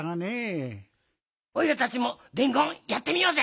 おいらたちもでんごんやってみようぜ！